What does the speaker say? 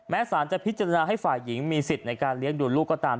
สารจะพิจารณาให้ฝ่ายหญิงมีสิทธิ์ในการเลี้ยงดูลูกก็ตาม